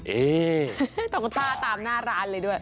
เอ๊ตรงตาตามหน้าร้านเลยด้วย